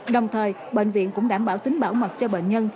đồng thời bệnh viện cũng đảm bảo tính bảo mật cho bệnh nhân